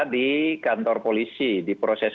di kantor polisi di proses